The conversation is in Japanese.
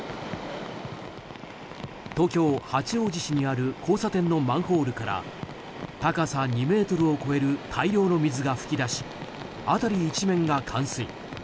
東京・八王子市にある交差点のマンホールから高さ２ｍを超える大量の水が噴き出し辺り一面が冠水。